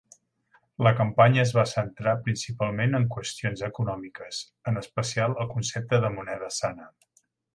La campanya es va centrar principalment en qüestions econòmiques, en especial el concepte de moneda sana.